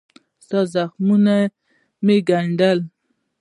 ستا زخمونه مې ګنډلي